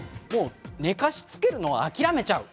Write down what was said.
寝かしつけるのを諦めちゃう。